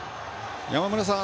山村さん